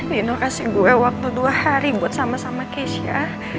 nino kasih gue waktu dua hari buat sama sama keisha